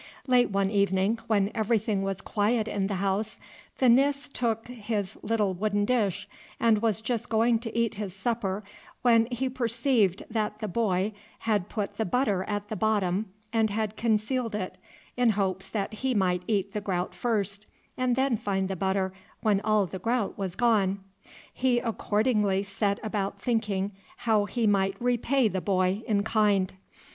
Late one evening, when everything was quiet in the house, the Nis took his little wooden dish, and was just going to eat his supper, when he perceived that the boy had put the butter at the bottom and had concealed it, in hopes that he might eat the groute first, and then find the butter when all the groute was gone. He accordingly set about thinking how he might repay the boy in kind.